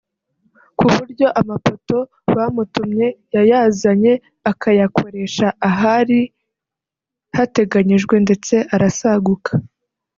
ku buryo amapoto bamutumye yayazanye akayakoresha ahari hateganyijwe ndetse arasaguka